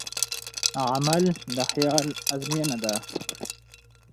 عمل د خیال ازموینه ده.